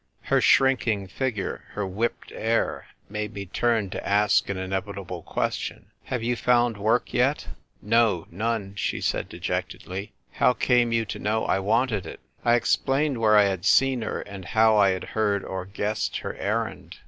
Her shrinking figure, her whipped air, made me turn to ask an inevitable question :" Have you found work yet ?"" No, none," she said dejectedly. " How came you to know I wanted it ?" I explained where I had seen her, and how I had heard or guessed her errand.